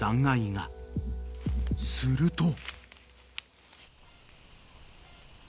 ［すると］